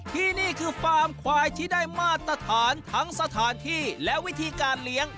ที่นี่คือฟาร์มควายที่ได้มาตรฐานทั้งสถานที่และวิธีการเลี้ยง